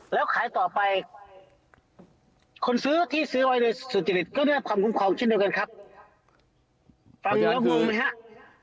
แล้วขายต่อไปคนซื้อที่ซื้อไว้ในสถิติก็ได้รับความคุ้มครองชื่นเดียวกันครับ